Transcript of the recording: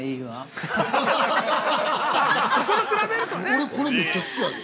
◆俺、これめっちゃ好きやで。